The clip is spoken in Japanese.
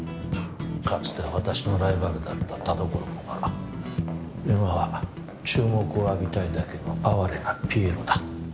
かつては私のライバルだった田所君が今は注目を浴びたいだけの哀れなピエロだ